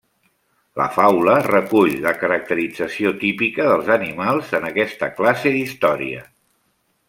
La faula recull la caracterització típica dels animals en aquesta classe d'història.